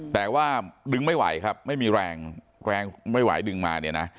แต่ว่าดึงไม่ไหวครับไม่มีแรงแรงไม่ไหวดึงมาเนี่ยนะ